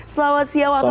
selamat siang waktu qatar